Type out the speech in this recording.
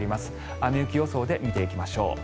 雨・雪予想で見ていきましょう。